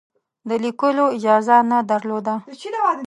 د لیکلو اجازه نه درلوده.